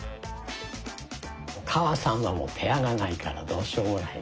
お母さんはペアがないからどうしようもないね。